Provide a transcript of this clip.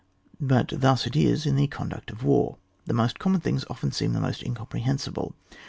But thus it is in the conduct of war; the most common things often seem the most incomprehensible.